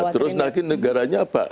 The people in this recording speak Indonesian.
terus nanti negaranya apa